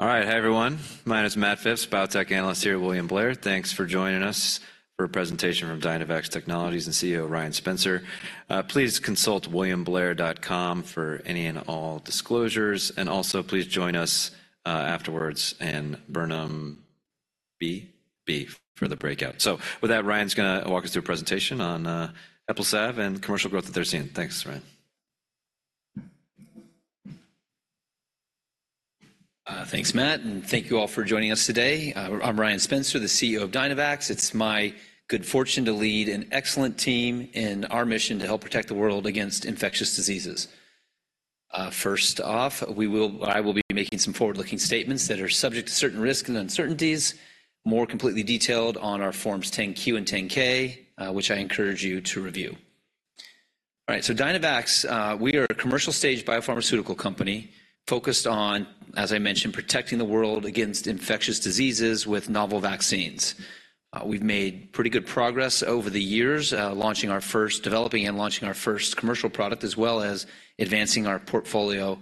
All right. Hi, everyone. My name is Matt Phipps, biotech analyst here at William Blair. Thanks for joining us for a presentation from Dynavax Technologies and CEO, Ryan Spencer. Please consult williamblair.com for any and all disclosures, and also please join us afterwards in Burnham B for the breakout. So with that, Ryan's going to walk us through a presentation on HEPLISAV and commercial growth that they're seeing. Thanks, Ryan. Thanks, Matt, and thank you all for joining us today. I'm Ryan Spencer, the CEO of Dynavax. It's my good fortune to lead an excellent team in our mission to help protect the world against infectious diseases. First off, I will be making some forward-looking statements that are subject to certain risks and uncertainties, more completely detailed on our Forms 10-Q and 10-K, which I encourage you to review. All right, so Dynavax, we are a commercial-stage biopharmaceutical company focused on, as I mentioned, protecting the world against infectious diseases with novel vaccines. We've made pretty good progress over the years, developing and launching our first commercial product, as well as advancing our portfolio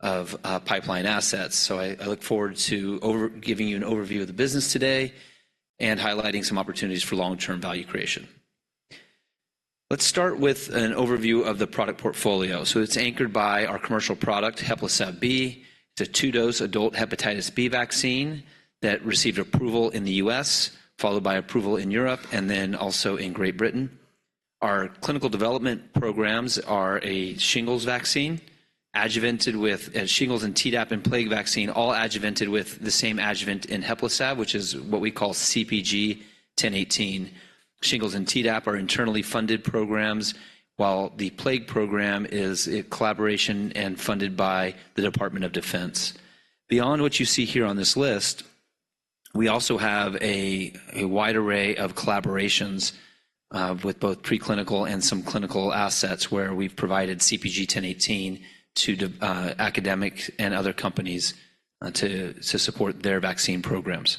of pipeline assets. So I look forward to giving you an overview of the business today and highlighting some opportunities for long-term value creation. Let's start with an overview of the product portfolio. So it's anchored by our commercial product, HEPLISAV-B. It's a two-dose adult hepatitis B vaccine that received approval in the U.S., followed by approval in Europe and then also in Great Britain. Our clinical development programs are a shingles vaccine, a Tdap and plague vaccine, all adjuvanted with the same adjuvant in HEPLISAV-B, which is what we call CpG 1018. Shingles and Tdap are internally funded programs, while the plague program is a collaboration and funded by the Department of Defense. Beyond what you see here on this list, we also have a wide array of collaborations with both preclinical and some clinical assets, where we've provided CpG 1018 to academic and other companies to support their vaccine programs.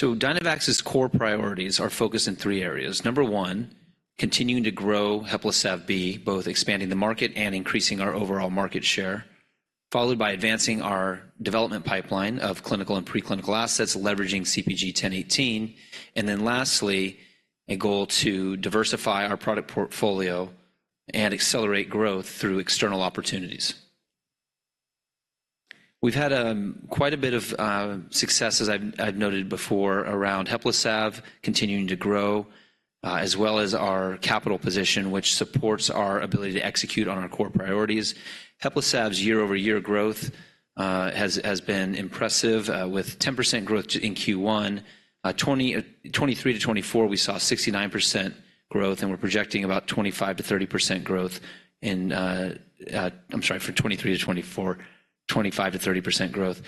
So Dynavax's core priorities are focused in three areas: number one, continuing to grow HEPLISAV-B, both expanding the market and increasing our overall market share, followed by advancing our development pipeline of clinical and preclinical assets, leveraging CpG 1018, and then lastly, a goal to diversify our product portfolio and accelerate growth through external opportunities. We've had quite a bit of success, as I've noted before, around HEPLISAV continuing to grow, as well as our capital position, which supports our ability to execute on our core priorities. HEPLISAV's year-over-year growth has been impressive with 10% growth in Q1. From 2023 - 2024, we saw 69% growth, and we're projecting about 25%-30% growth in... I'm sorry, for 2023 - 2024, 25%-30% growth.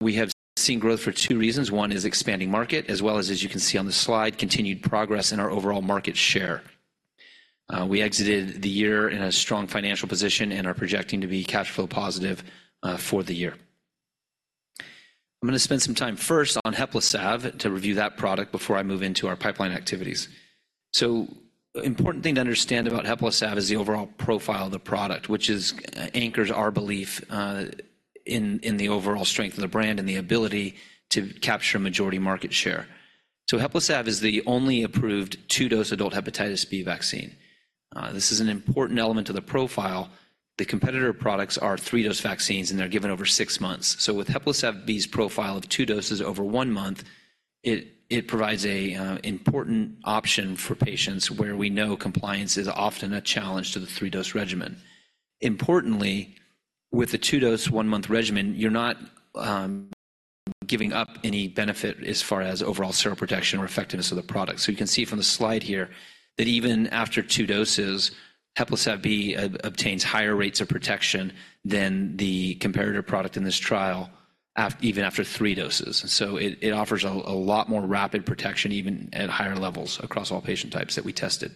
We have seen growth for two reasons. One is expanding market, as well as, as you can see on the slide, continued progress in our overall market share. We exited the year in a strong financial position and are projecting to be cash flow positive for the year. I'm going to spend some time first on HEPLISAV-B to review that product before I move into our pipeline activities. So important thing to understand about HEPLISAV-B is the overall profile of the product, which anchors our belief in the overall strength of the brand and the ability to capture a majority market share. So HEPLISAV-B is the only approved two-dose adult hepatitis B vaccine. This is an important element of the profile. The competitor products are three-dose vaccines, and they're given over six months. So with HEPLISAV-B's profile of two doses over one month, it provides a important option for patients where we know compliance is often a challenge to the three-dose regimen. Importantly, with the two-dose, one-month regimen, you're not giving up any benefit as far as overall seroprotection or effectiveness of the product. So you can see from the slide here that even after two doses, HEPLISAV-B obtains higher rates of protection than the comparator product in this trial even after three doses. So it offers a lot more rapid protection, even at higher levels across all patient types that we tested.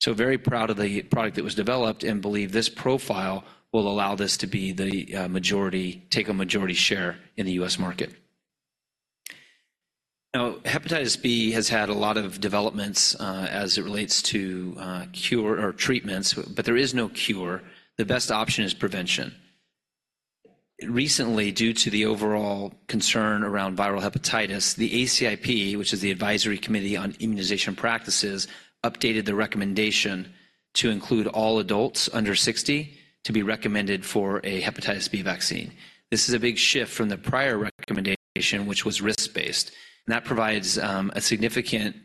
So very proud of the product that was developed and believe this profile will allow this to be the, majority- take a majority share in the U.S. market. Now, hepatitis B has had a lot of developments, as it relates to, cure or treatments, but there is no cure. The best option is prevention. Recently, due to the overall concern around viral hepatitis, the ACIP, which is the Advisory Committee on Immunization Practices, updated the recommendation to include all adults under 60 to be recommended for a hepatitis B vaccine. This is a big shift from the prior recommendation, which was risk-based, and that provides, a significant,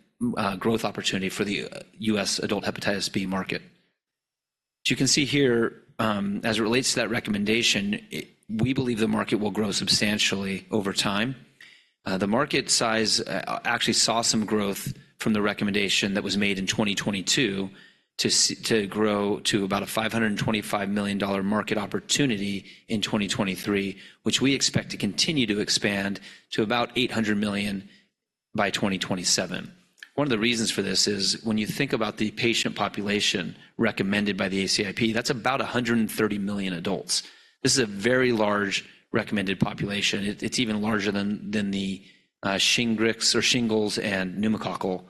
growth opportunity for the, U.S. adult hepatitis B market. As you can see here, as it relates to that recommendation, we believe the market will grow substantially over time. The market size actually saw some growth from the recommendation that was made in 2022 to grow to about $525 million market opportunity in 2023, which we expect to continue to expand to about $800 million by 2027. One of the reasons for this is when you think about the patient population recommended by the ACIP, that's about 130 million adults. This is a very large recommended population. It's even larger than the SHINGRIX or shingles and pneumococcal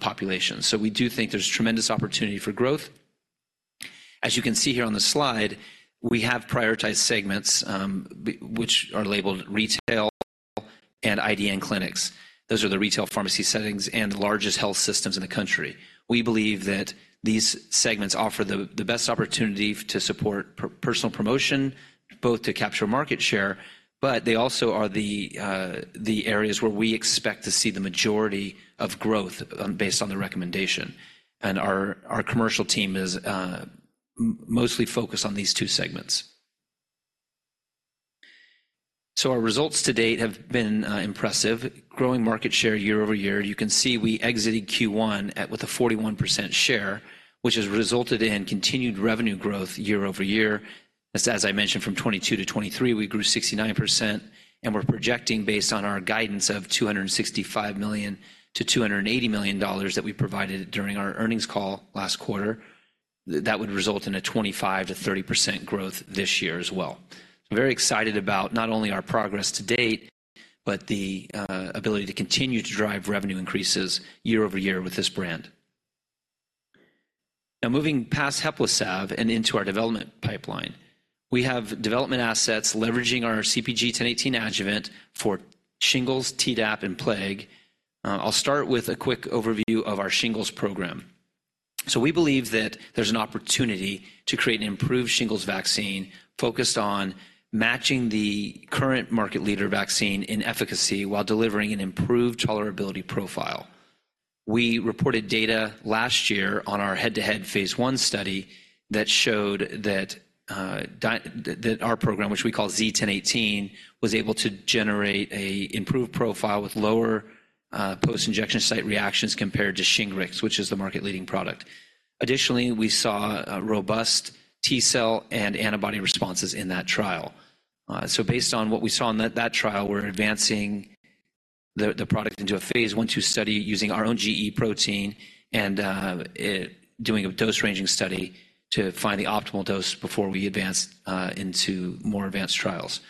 population. So we do think there's tremendous opportunity for growth. As you can see here on the slide, we have prioritized segments, which are labeled retail and IDN clinics. Those are the retail pharmacy settings and the largest health systems in the country. We believe that these segments offer the best opportunity to support personal promotion, both to capture market share, but they also are the areas where we expect to see the majority of growth, based on the recommendation. And our commercial team is mostly focused on these two segments. So our results to date have been impressive, growing market share year-over-year. You can see we exited Q1 with a 41% share, which has resulted in continued revenue growth year-over-year. As I mentioned, from 2022 - 2023, we grew 69%, and we're projecting, based on our guidance of $265 million-$280 million that we provided during our earnings call last quarter, that would result in a 25%-30% growth this year as well. I'm very excited about not only our progress to date, but the ability to continue to drive revenue increases year over year with this brand. Now, moving past HEPLISAV-B and into our development pipeline, we have development assets leveraging our CpG 1018 adjuvant for shingles, Tdap, and plague. I'll start with a quick overview of our shingles program. So we believe that there's an opportunity to create an improved shingles vaccine focused on matching the current market leader vaccine in efficacy while delivering an improved tolerability profile. We reported data last year on our head-to-head phase I study that showed that our program, which we call Z-1018, was able to generate an improved profile with lower post-injection site reactions compared to SHINGRIX, which is the market-leading product. Additionally, we saw a robust T cell and antibody responses in that trial. So based on what we saw in that trial, we're advancing the product into a phase I/II study using our own gE protein and doing a dose-ranging study to find the optimal dose before we advance into more advanced trials.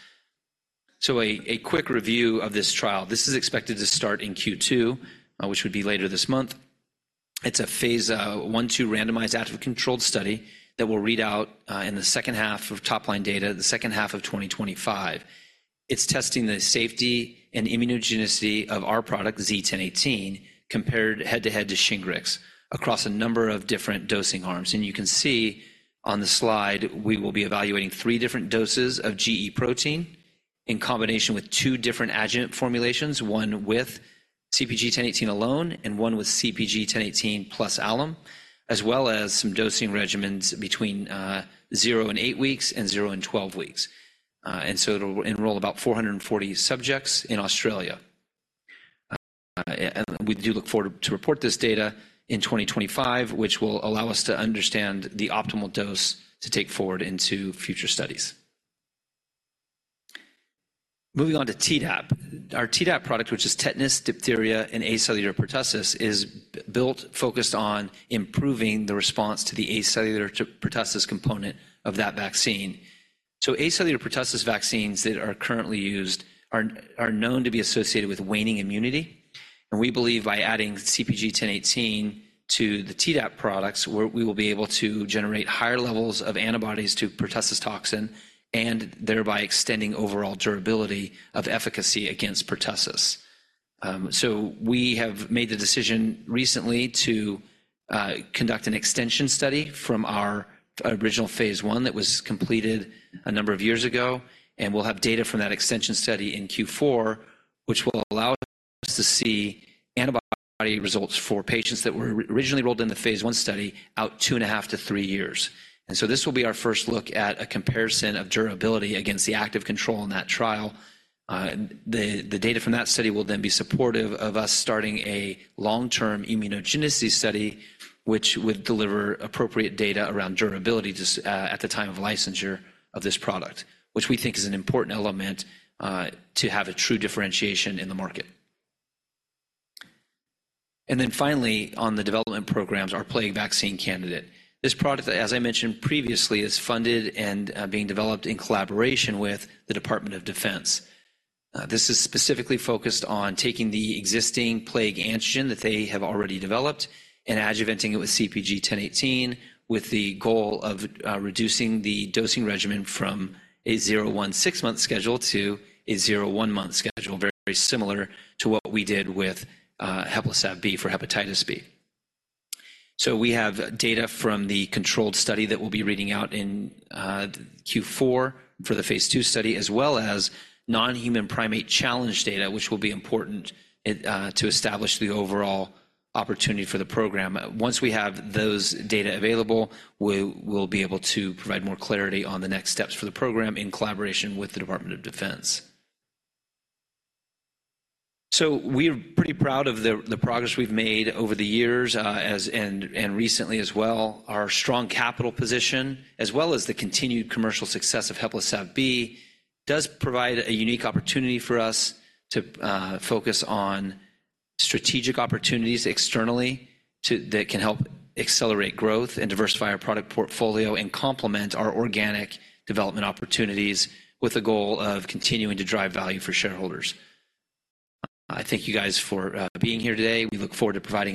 So a quick review of this trial. This is expected to start in Q2, which would be later this month. It's a phase I/II randomized, active controlled study that will read out in the second half of 2025 top-line data. It's testing the safety and immunogenicity of our product, Z-1018, compared head-to-head to Shingrix, across a number of different dosing arms. And you can see on the slide, we will be evaluating three different doses of gE protein in combination with two different adjuvant formulations, one with CpG 1018 alone and one with CpG 1018 plus alum, as well as some dosing regimens between zero and eight weeks and zero and 12 weeks. And so it'll enroll about 440 subjects in Australia. And we do look forward to report this data in 2025, which will allow us to understand the optimal dose to take forward into future studies. Moving on to Tdap. Our Tdap product, which is tetanus, diphtheria, and acellular pertussis, is built focused on improving the response to the acellular pertussis component of that vaccine. So acellular pertussis vaccines that are currently used are known to be associated with waning immunity, and we believe by adding CpG 1018 to the Tdap products, we will be able to generate higher levels of antibodies to pertussis toxin and thereby extending overall durability of efficacy against pertussis. So we have made the decision recently to conduct an extension study from our original phase I that was completed a number of years ago, and we'll have data from that extension study in Q4, which will allow us to see antibody results for patients that were originally enrolled in the phase I study out 2.5 - 3 years. And so this will be our first look at a comparison of durability against the active control in that trial. The data from that study will then be supportive of us starting a long-term immunogenicity study, which would deliver appropriate data around durability just at the time of licensure of this product, which we think is an important element to have a true differentiation in the market. And then finally, on the development programs, our plague vaccine candidate. This product, as I mentioned previously, is funded and being developed in collaboration with the Department of Defense. This is specifically focused on taking the existing plague antigen that they have already developed and adjuvanting it with CpG 1018, with the goal of reducing the dosing regimen from a zero, one, six-month schedule to a zero, one-month schedule, very similar to what we did with HEPLISAV-B for hepatitis B. So we have data from the controlled study that we'll be reading out in Q4 for the phase II study, as well as non-human primate challenge data, which will be important to establish the overall opportunity for the program. Once we have those data available, we will be able to provide more clarity on the next steps for the program in collaboration with the Department of Defense. So we're pretty proud of the progress we've made over the years, as well as recently as well. Our strong capital position, as well as the continued commercial success of HEPLISAV-B, does provide a unique opportunity for us to focus on strategic opportunities externally that can help accelerate growth and diversify our product portfolio and complement our organic development opportunities with the goal of continuing to drive value for shareholders. I thank you guys for being here today. We look forward to providing an up-